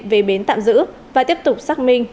về bến tạm giữ và tiếp tục xác minh